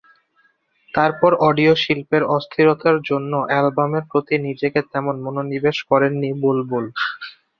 তারপর অডিও শিল্পের অস্থিরতার জন্য অ্যালবামের প্রতি নিজেকে তেমন মনোনিবেশ করেননি বুলবুল।